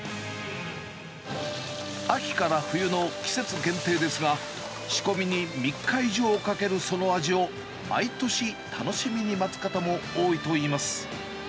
秋から冬の季節限定ですが、仕込みに３日以上かけるその味を毎年、楽しみに待つ方も多いといいます。